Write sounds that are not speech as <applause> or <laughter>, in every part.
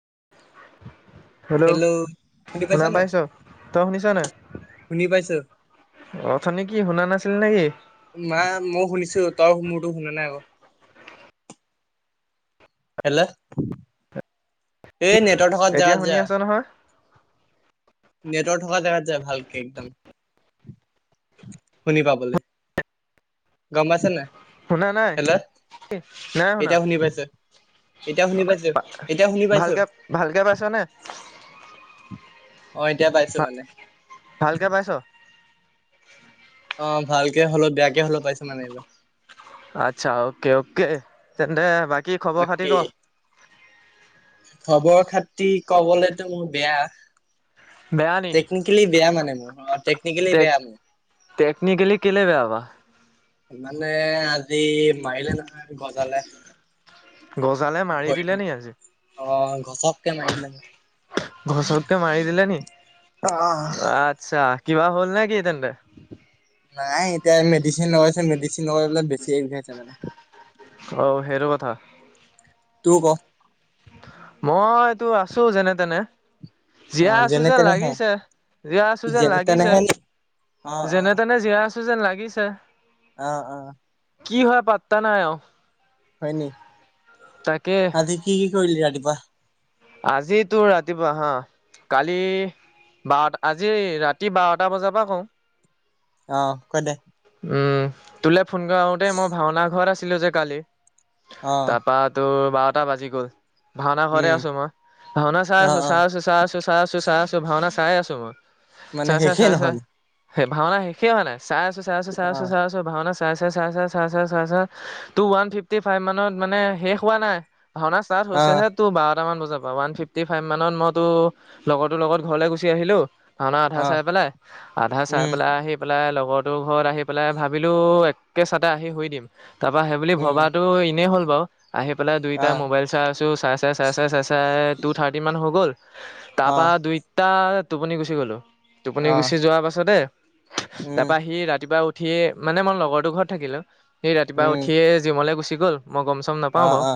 <unintelligible> Hello. শুনি শুনা পাইছা নাই? পাইছ, তই শুনিছ নে? শুনি পাইছো। অথনি কি শুনা নাছিল নেকি? মা মই শুনিছো তই মোৰতো শুনা নাই আকৌ। হেল্ল, এই নেটৰ্টক থকা এতিয়া জেগাত শুনি যা। আছ নহয়? নেটৱৰ্ক থকা জেগাত যা ভালকে একদম। শুনি পাবলে, গম পাইছে না? শুনা নাই, নাই শুনা। এতিয়া শুনি পাইছো এতিয়া শুনি পাইছো এতিয়া শুনি পাইছো। ভালকে, ভালকে পাইছ নে? অ, এতিয়া পাইছো মানে। উ। আহ ভালকে হলেও বেয়াকে হলেও পাইছো মানে এইবাৰ। আচ্ছা অ'কে অ'কে। তেন্তে বাকী খবৰ খাতি ক? খবৰ-খাতি কবলেতো মোৰ বেয়া। বেয়া নি? টেকনিকেলি বেয়া মানে মোৰ। অ, টেকনিকেলি টেক বেয়া মোৰ। টেকনিকেলি কেলে বেয়া পাওঁ। মানে আজি মাৰিলে নহয় গজালে। গজালে মাৰি দিলে নি আজি? গছক কে মাৰি দিলে। ঘচককে মাৰি দিলে নি? অ আচ্ছা কিবা হ'ল নে কি তেন্তে? নাই এতিয়া মেডিচিন লগাইছে মেডিচিন লগাই পেলাই বেছিইছে মানে। অঁ, সেইটো কথা। তোৰ ক? মইটো আছো যেনে তেনে। অ জীয়াই আছো যেনে যেন তেনেহে লাগিছে। জীয়াই আছো কি যেন যেনে লাগিছে। তেনেহে নি? অ যেনে-তেনে যিয়াই আছো যেন লাগিছে। আহ, অ। কি হয় পাত্তা নাই আও হয়নি আজি কি, কি কৰিলি ৰাতিপুৱা? আজিতো ৰাতিপুৱা হা, কালি বাৰটা আজি ৰাতি বাৰটা বজাৰ পৰা কওঁ। অ, কৈ দে উম, তোলে ফোন কৰোঁতে দেই মই ভাওনা ঘৰত আছিলো যে কালি। অ তাৰপা তোৰ বাৰটা বাজি গ'ল। ভাওনা উম ঘৰতে আছো মই। ভাওনা চাই অ আছো, অ চাই আছো চাই আছো, চাই আছো, চাই আছো ভাওনা চাই আছো মই। মানে চাই চাই শেষেই চাই চাই নহল। সেই ভাওনা শেষে হোৱা নাই। চাই আছো, চাই আছো, চাই অ আছো, চাই আছো ভাওনা চাই, চাই, চাই, চাই চাই চাই তু ৱান ফিফটি ফাইভ মানত মানে শেষ হোৱা নাই। ভাওনা ষ্টাৰ্ট অ হৈছেহে তোৰ বাৰটামান বজাত। ওৱান ফিফটি ফাইভ মানত মইতো লগৰটোৰ লগত ঘৰলৈ গুচি আহিলো। ভাওনা আধা অ চাই পেলাই, আধা চাই উম পেলাই, আহি পেলাই লগত তোৰ ঘৰত আহি পেলাই ভাবিলো একে চাতে আহি শুই দিম তাৰপা সেইবুলি উম ভবাটো এনেই হ'ল। বাৰু আহি পেলাই দুইটা অ মবাইল চাই আছো চাই চাই চাই চাই চাই চাই টু থাৰ্টি মান হৈ গ'ল। তাৰ অ পৰা দুইটা টোপনি গুচি গ'লো। টোপনি অ গুচি যোৱাৰ পাছতে উম তাপা সি ৰাতিপুৱা উঠি উঠিয়ে মানে মই লগৰটো ঘৰত থাকিলো সেই ৰাতিপুৱা উম উঠিয়ে জিমলে গুচি গ'ল। মই গম চম নাপাও অ বাৰু অ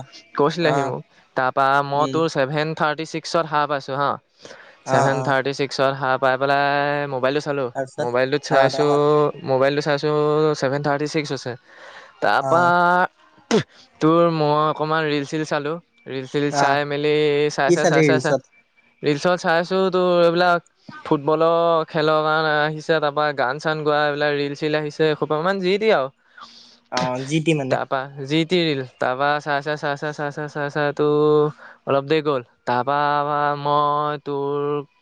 অ কৈছিলেহি মোক। তাৰ পৰা মত উম ছেভেন থাৰ্টি চিক্সত সাৰ পাইছো হা অ ছেভেন অ থাৰ্টি চিক্সত সাৰ পাই পেলাই চালো তাৰপিছত মোবাইলটোত অ চাইছো তাৰপিছত মোবাইলটো চাইছো ছেভেন থাৰ্টি ছিক্স আছে। অ তাৰপা তোৰ মই অকমান ৰিল চিল চালো। ৰিল ছিল অ চাই মেলি ছাই কি চালি ছাই ছাই ৰিলচত ৰিলচত চাই আছো তো এইবিলাক ফুটবলৰ খেলৰ কাৰণে আহিছে, তাৰপৰা গান চান গোৱা এইবিলাক ৰিল চিল আহিছে, এহোপামান যি দিয়ে আৰু। অ জি টি মানে। কি তাপা চাই চাই চাই চাই চাই চাই তো অলপ দেৰি গ'ল, তাৰপা মই তোৰ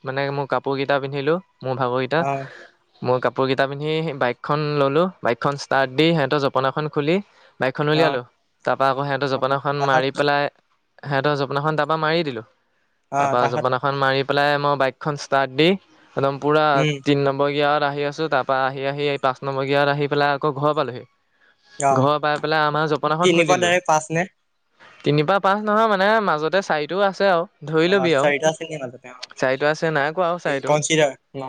মানে মোৰ কাপোৰকেইটা পিন্ধিলোঁ, মোৰ ভাগৰকেইটা, অ মই কাপোৰ কেইটা পিন্ধি বাইকখন ললো, বাইকখন ষ্টাৰ্ট দি সিহঁতৰ জপনাখন খুলি বাইকখন অ উলিয়ালো। তাৰপৰা আকৌ সেহঁতৰ অ জপনা এখন তাহাত মাৰি পেলাই সেহঁতৰ জ জপনাখন তাৰপা মাৰি দিলো, অ তাৰপা তাহাত জপনাখন মাৰি পেলাই মই বাইকখন ষ্টাৰ্ট দি উদম পোৰা উম তিনি নম্বৰ গেৰেত আহি আছো, তাৰ পৰা আহি আহি এই পাঁচমৰ ইয়াত আহ পেলাই আকৌ ঘৰ পালোহি। অ ঘৰ পাই পেলাই আমাৰ জপনাখন তিনিৰ পৰা খুন্দিলো ডাইৰেক্ট পাঁচ নে তিনি পা পাঁচ নহয় মানে মাজতে চাৰিটো আছে আৰু। ধৰি অ লবি আৰু, চাৰিটা শ্ৰেণীৰ মাজতে অ চাইটো আছে নাই কোৱা আৰু এই চাইটো। কনচিডাৰ ন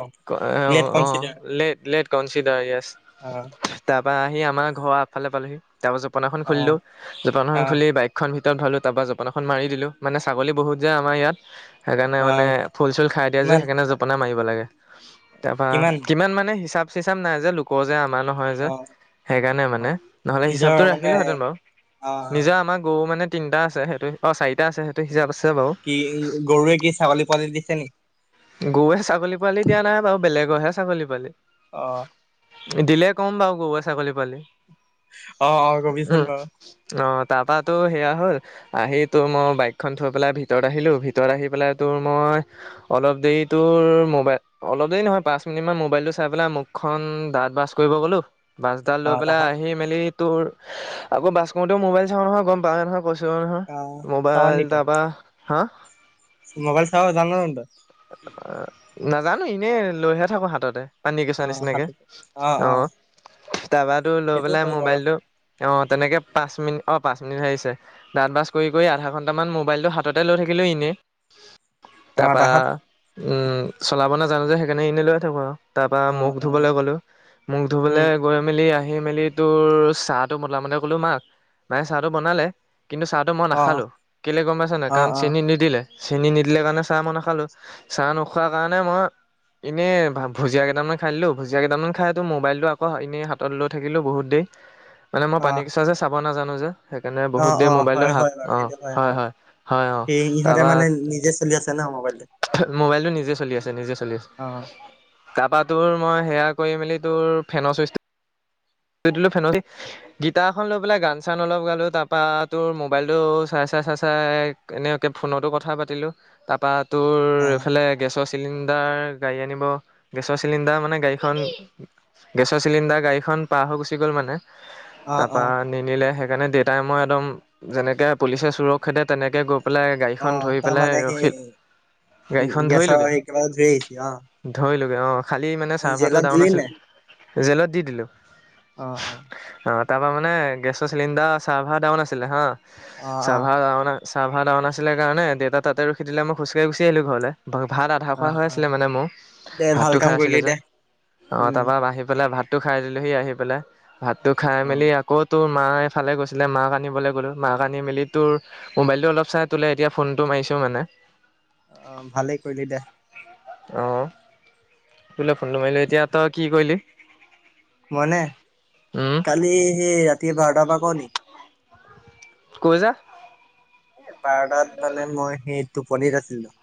লেট অ অ consider late late consider yes. অ। বা আহি আমাৰ ঘৰ আগফালে পালোহি, তাৰপৰা জপনা অ খুলিলো, জপনা অ খুলি বাইকখন ভিত তত ভৰালো, তাৰপৰা জপনা এখন মাৰি দিলোঁ, মানে ছাগলী বহুত যে আমাৰ ইয়াত। সেইকাৰণে অ মানে ফুল চুল খাই দিয়ে যে কিমান সেইকাৰণে জপনা মাৰিব লাগে। তাৰপা কিমান মানে হিচাপ চিচাপ নাই যে লোকৰ যে আম জমা নহয় যে অ সেইকাৰণে অ মানে, নহলে নিজৰ হিচাপটো মানে ৰাখিলো হেঁতেন বাৰু। অ নিজৰ আমাৰ গৰু মানে তিনিটা আছে সেইটো অ চাৰি কি গৰুৱে কি ছাগলী পোৱালী দিছে নেকি? গৰুৱে ছাগলী পোৱালি দিয়া নাই বাৰু, বেলেগৰহে ছাগলী পোৱালী। অহ। দিলে ক'ম বাৰু গৰুৰে ছাগলী পোৱালি অ অ কবিচোন বাৰু উম অহ তাৰ পৰা তো সেয়া হ'ল আহি তোৰ মই বাইকখন থৈ পেলাই ভিতৰত আহিলো, ভিতৰত আহি পেলাই তোৰ মই হয়। অলপ দেৰিতো মোবাইল, অলপ দেৰি নহয় পাঁচ মিনিটমান মোবাইলটো চাই পেলাই মুখখন দাঁত বাছ কৰি দিব গ'লো, বাছ এডাল অ লৈ পেলাই তাহাত আহি মেলি তোৰ আকৌ বাছ কওতেও মোবাইল চাওঁ নহয় গম পাৱে নহয়। কৈছো নহয় অ চাৱ নি মোবাইল তই তাৰপা হা, মোবাইল চাব জান জানো তই? অ নাজানো এনে লৈহে থাকো হাততে। পানী কেচুৱা অ নিচিনাকে। সাঁতোৰ অ তাৰপৰাটো লৈ সেইটো পেলাই হয় বাৰু মোবাইলটো অ তেনেকে পাঁচ মিনিট অ পাঁচ মিনিট আহিছে, দাঁত ব্ৰাছ কৰি আধা ঘণ্টামান মোবাইলটো হাতে লৈ থাকি লো ইনে। অ বা তাহাত উম চলাব নাজানো যে, সেইকাৰণে এনেই লৈ থাকো আৰু। তাৰ পৰা অ মুখ অ ধুবলৈ গলো, মুখ উম ধুবলৈ গৈ মেলি আহি আহি মেলি তোৰ চাহটো মতলা মতে কলো মাক, মায়ে চাহটো বনালে। কিন্তু চাহটো মই অ নাখালো, কেলে গম পাইছো নাই অ কাৰণ অ চেনি নিদিলে, চেনি নিদিলে কাৰণে চাহ মই না খালো, চাহ নোখোৱা কাৰণে মই ইনেই ভা ভুজিয়া কেইটামান খাই দিলো, ভুজিয়া কেইটান খাই, তো মোবাইলটো আকৌ ইনেই হাতত লৈ থাকিলো বহুত দেৰি মানে মই অ পানী কেঁচুৱা যে চাব নাজানো যে। সেইকাৰণে অ বহুত দেৰি অ মোবাইলটো হয় হাত হয় বাৰু অ সেইটো হয় অ হয় হয় অ, সেই ইহঁতে তাৰপৰা মানে নিজে চলি আছে ন মোবাইলটো মোবাইলটো নিজে চলি আছে নিজে চলি আছে। অ তাৰপা তোৰ মই সেয়া কৰি মেলি তোৰ ফেনৰ চুইচটো সেইটো লৈ ফেনতে, গিটাৰ এখন লৈ পেলাই গান চান অলপ গালো তাৰপা তোৰ মোবাইলটো চাই চাই চাই চাই এনেকে ফোনতো কথা পাতিলো। তাৰপা তোৰ অ এইফালে গেছৰ চিলিণ্ডাৰ গাড়ী আনিব গেছৰ চিলিণ্ডাৰ মানে গাড়ীখন গেছৰ চিলিণ্ডাৰ গাড়ীখন পাৰ হৈ গুছি গল মানে, তা অ পা নিনিলে সে সেইকাৰণে দেতাই মই একদম যেনেকে পুলিচে চুৰক খেদে তেনেকে গ পেলাই গাড়ীখন ধৰি পেলাই ৰখিল উ গেছৰ একেবাৰে ধুই আহিছে অ কৰিলোগে অ খালি মানে চাৰ্ভাৰটো জেলত দিলি ডাউন আছিল জেলত দি দিলো। অঁ, অঁ। অ তাৰ পৰা মানে গেছৰ চিলিণ্ডাৰ চাৰ্ভাৰ ডাউন আছিলে হা। অ অ চাৰ্ভাৰ ডাউন ছাৰ্ভাৰ ডাউন আছিলে কাৰণে দেউতা তাতে ৰখি দিলে, মই খোজকাঢ়ি গুচি আহিলো ঘৰলে। ভাত আধা অ খোৱা হৈ অ আছিলে মানে মোৰ দে ভাল ভাতটো কাম খাই কৰিলি আছিলো যে দে অ উম তাৰপা আহি পেলাই ভাতটো খাই দিলোহি, আহি পেলাই ভাতটো খাই অ মেলি আকৌ তোৰ মা এফালে গৈছিলে মাক আনিবলৈ গ'লো মাক আনি মেলি তোৰ মোবাইল টো অলপ চাই তোলে এতিয়া ফোনটো মাৰিছো টো মানে অ ভালেই কৰিলি দে অহ তোলে ফোনটো মাৰিলো এতিয়া তই কি কৰিলি? মই মানে উম কালি সেই ৰাতি বাৰটাৰ পৰা ক নি কৈ যা এ বাৰটাত মানে মই সেই টোপনিত আছিলো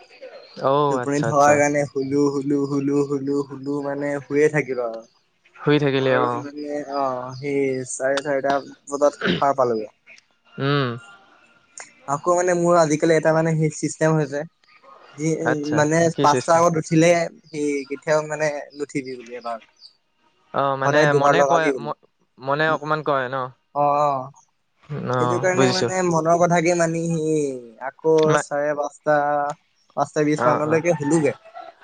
অ' টোপনি আচ্ছা থকাৰ আচ্ছা কাৰণে শুলো শুলো, শুলো, শুলো, শুলো মানে শুয়ে থাকিলো শুই থাকিলি আৰু আৰু অ' মানে অ সি চাৰে চাৰিটা বজাত সাৰ পালোগে উম আকৌ মানে মোৰ আজিকালি এটা মানে সেই চিষ্টেম হৈছে। যি আচ্ছা মানে কি পাঁচটা চিষ্টেম আগত উঠিলে সি কেতিয়াও মানে নুঠিবি বুলি এবাৰ অ মানে সদায় দুবাৰ মনে কয় লগাবি ম বোলো। মনে অকমান কয় ন ও, অ, অ। অ সেইটো কাৰণে বুজিছো মানে মনৰ কথ থাকে মানে, সেই আকৌ মা চাৰে পাঁচটা পাঁচটা বিশ অ অ মানলৈকে শুলোগে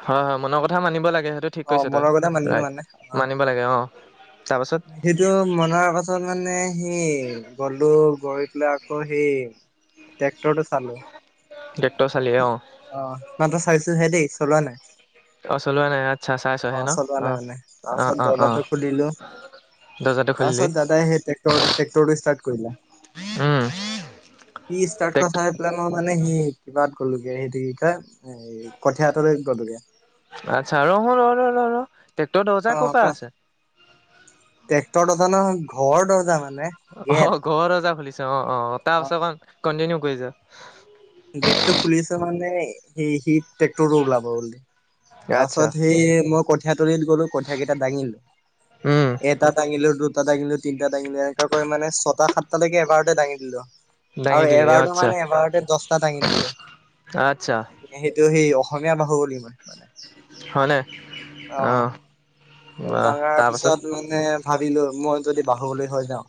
হয় হয় মনৰ কথা মানিব লাগে সেইটো ঠিক অ কৈছ তই মনৰ কথা মানিলো ৰাইত মানে অ মানিব লাগে অ তাৰপাছত সেইটো মনৰ কথা মানে সি গলো গৈ পেলাই আকৌ সেই ট্ৰেক্টৰটো চালো গেট চালি অ অ ম তইটো চাইছো হে দেই চলোৱা নাই অ চলোৱা নাই। আচ্ছা অ চাইছহে ন আছ অ তেনে হলে অ তাৰপাছত অ অ দৰ্জাতো খুলিলো দৰ্জাটো খুলিলি তাৰপাছত দাদাই সেই টেক্টৰ ট্ৰেক্টৰটো ষ্টাৰ্ট কৰিলে। উম সি ষ্টাৰ্ট টেক কৰা চায় পেলাই মই মানে মানে সি কিবাত গ'লোগে সেইটো কি কয় এ কঠীয়া তলিত গ'লোগে আচ্ছা, ৰহ -ৰ-ৰ-ৰ-ৰ, ট্ৰেক্টৰ দৰজা অ ক'ৰ ক পৰা আছে? ট্ৰেক্টৰ নহয়, ঘৰৰ দৰজা হয়। অ ঘৰ দৰজা খুলিছে। অ-অ তাৰ পাছৰ পৰা কন্টিনিউ কৰি যাম। গেট টো খুলিছে মানে সেই সি ট্ৰেক্টৰটো ওলাব বুলি তাৰ আচ্ছা পাছত সেই মই কঠীয়া তলিত গলো। কঠীয়া কেইটা দাঙিলো। উম এটা ডাঙিলো দু দুটা দাঙিলো তিনিটা দাঙিলো এনেকোৱা কৰি মান ছটা সাতটালৈকে এবাৰতে দাঙি দিলো আৰু দাঙি দিলি অ এবাৰতো আচ্ছা মানে এবাৰতে দছ আচ্ছা সেইটো সেই অসমীয়া বাহু বুলি মই মানে হয় ন আহঁ ডাঙৰ পিছত মানে ভাবিলো মই যদি বাহুবলি হৈ যাও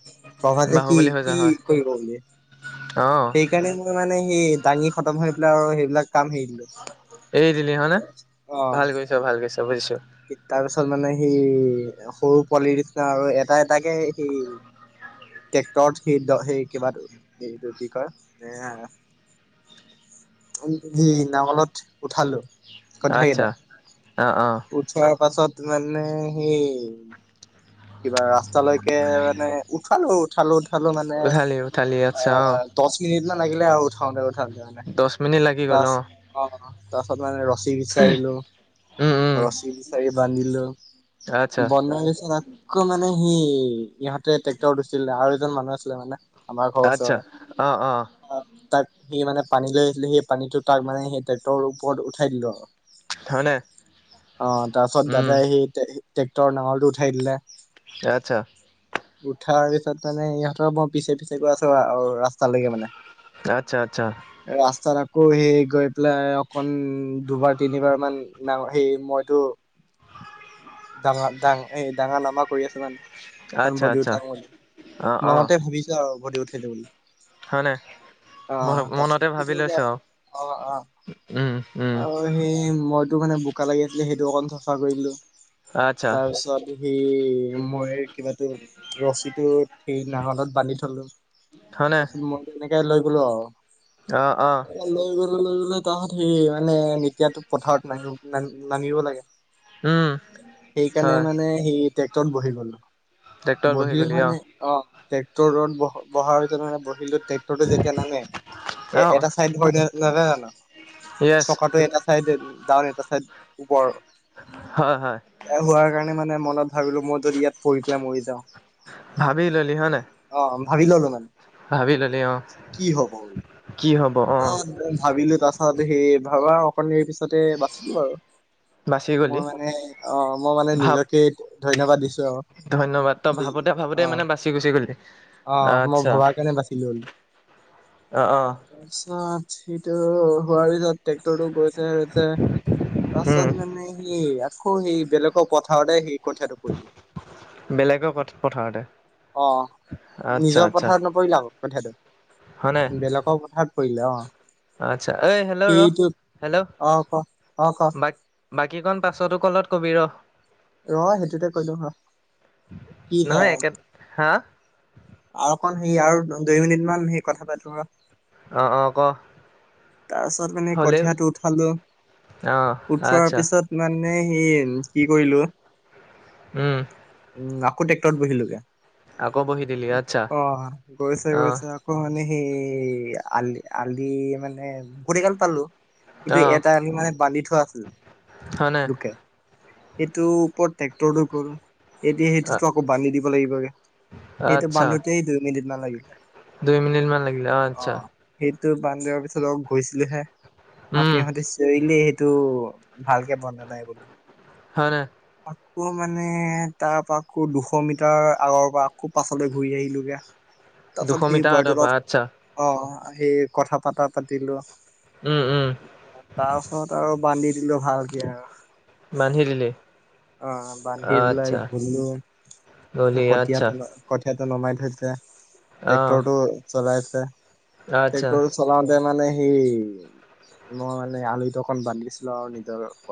প্ৰভা যে কি বাহুবলী হৈ যা কি হয় কৰিব বুলি অ সেইকাৰণে মই মানে সেই দাঙি খতম হৈ পেলাই আৰু সেইবিলাক কাম হেৰি দিলো। এৰি দিলি হয় নে অ ভাল কৰিছ ভাল কৰিছ বুজিছো। সেই সৰু পোৱালিৰ নিচিনা আৰু এটা এটাকে সেৰি ট্ৰেক্টৰত সেই সেই কিবা এইটো কি কয় এ উ হ নাঙলত উঠালো কথা কেইটা আচ্ছা অ অ উঠোৱাৰ পাছত মানে সেই কিবা ৰাস্তালৈকে মানে উঠালো উঠালো উঠালো মানে উঠালি উঠালি অ আচ্ছা অ দহ মিনিট মান লাগিলে আৰু উঠাওতে উঠাওতে দহ মিনিট লাগি ত গ'ল অ তাৰ পাছত মানে ৰছী বিচাৰিলো উম উম ৰছী বিচাৰি বান্ধিলো। <unintelligible> আচ্ছা আকৌ মানে সি ইহঁতে ট্ৰেক্টৰ দিছিল আৰু এজন মানুহ আছিলে মানে আমাৰ ঘৰৰ আচ্ছা ওচৰৰে। অ অ তাক সি মানে পানী লৈ আহিছিলে সেই পানীটো তাক মানে সেই ট্ৰেক্টৰৰ ওপৰত উঠাই দিলো আৰু। হয়নে অ তাৰপাছত উম দাদাই সেই ট্ৰেক্টৰৰ নাঙলটো উঠাই দিলে আচ্ছা উঠাৰ পিছত মানে ইহঁতৰ মৰ পিছে পিছে গৈ আছো ৰাস্তালৈকে মানে আচ্ছা আচ্ছা ৰাস্তাত আকৌ সেই গৈ পেলাই অকন দুবাৰ তিনিবাৰ মান না সেই মইতো ডাঙৰ ডাঙ এই ডাঙৰ নামা কৰি আছো মানে অকণ আচ্ছা বডি আচ্ছা উঠাওঁ বুলি অ অ মনতে ভাবিছো আৰু বডি উঠাইছো বুলি হয়নে মন আহ মনতে ভাবি লৈছ ততটো আৰু অ অ উম উম আৰু সেই মইতো মানে বোকা লাগি আছিলে সেইটো অকণ চাফা কৰি দিলো। আচ্ছা তাৰপিছত সেই মই কিবাতো ৰছীটো সেই নাঙলত বান্ধি থলো তাৰপাছত মই এনেকে লৈ গলো আৰু অহ অহ লৈ লৈ গলো গলে তাহত সেই মানে এতিয়া পথাৰত নাব নামিব লাগে উম সেইকাৰণে হয় মানে সি ট্ৰেক্টৰত বহি গলো। ট্ৰেক্টৰত বহি বহিল গ'লি মানে অ ট্ৰেটৰ ৰ'দ ব বহা <unintelligible> বহিলো ট্ৰেক্টৰটো যেতিয়া নামে এ অ এটা চাইড ধৰ <unintelligible> য়েছ চকাটো এটা চাইডে ডাউন এটা চাইদ ওপৰ হয় হয় হোৱাৰ কাৰণে মানে মনত ভাবিলো মই যদি ইয়াত পৰি পেলাই মৰি যাওঁ ভাবি ললি হয় নাই অ ভাবি ললো মানে ভাবি ললি অ কি হব কি হব অ অহ ভাবিলো তাৰ সে ভাবা অকণ দেৰি পিছতে বাচিলো আৰু বাচি গলি মই মানে অ মই মানে ভাব নিজকে ধন্যবাদ দিছো আৰু। ধন্যবাদ তই ভাবোতে ভাবোতে অ মানে বাচি গুচি গলি অ মই আচ্ছা ভবাৰ কাৰণে বাচিলো হ'লো অ অ তাৰপিছত সিটো হোৱাৰ পিছত ট্ৰেক্টৰটো গৈছে গৈছে উম তাৰপিছত মানে সি সেই বেলেগৰ পথাৰতে সেই কঠিয়াটো পৰিলে। বেলেগৰ পথাৰতে অ আচ্ছা নিজৰ আচ্ছা পথাৰত নপৰিল আক হয় নাই কঠীয়াটো বেলেগৰ পথাৰত কৰিলে অ আচ্ছা ঐ হেল্ল' ৰ সেইটোত হেল্ল' অ' ক অ' ক ব বাকী কন পাছতো কলত কবি ৰ ৰ সেইটোতে কলো হ কি হে নহয় একে হা আৰুকণ সেৰি আৰু দুই মিনিট মান সেই কথা পাতো ৰহ অ অ ক তাৰ পিছত মানে হ'লেও কঠিয়াটো উঠালো অ উঠোৱাৰ আচ্ছা পিছত মানে মানে সি কি কৰিলো উম উ আকৌ ট্ৰেক্টৰত বহিলোগে, আকৌ বহি দিলি আচ্ছা অ গৈছে অ গৈছে আকৌ মানে। সেই আলি -আলি মানে ভৰি কাল পালো কিন্তু অ এটা মানে বান্ধি থোৱা আছিল, হয় নাই লোকে সেইটো ওপৰত ট্ৰেক্টৰটো গ'ল এতিয়া সেইটোতো আকৌ বালি দিব লাগিবগে সেইটো আচ্ছা বান্ধোতে দুই মিনিট নালাগিলে দুই মিনিট মান লাগিলে অ আচ্ছা টো বান্দৰ পিছত অ গৈছিলোহে উম আকৌ হঁতে চিঞৰিলে এইটো ভালকে বনা নাই বুলি হয় নাই আকৌ মানে তাৰ পৰা আকৌ দুশ মিটাৰ আগৰ পৰা আকৌ পাছলৈ ঘূৰি আহিলোগে তাৰপাছত দুশ সেই মিটাৰ আঁতৰ পৰা বোৱাৰটোলত আচ্ছা আহ সেই কথা পতা পাতিলো উম উম তাৰপাছত আৰু বান্ধি দিলে ভালকে আৰু বান্ধি দিলি অ বান্ধি পেলাই আচ্ছা গলো গলি কঠীয়া আচ্ছা তল কঠী নমাই থৈছে, অ ট্ৰেক্টৰটো চলাইছে, আচ্ছা ট্ৰেক্টৰটো চলা তাৰ মানে সেই মই মানে আলিটোক বান্ধ ছিলো আৰু নিজৰ কথা